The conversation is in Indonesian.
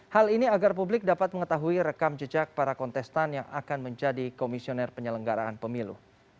hal ini agar publik dapat mengetahui rekam jejak para kontestan yang akan menjadi komisioner penyelenggaraan pemilu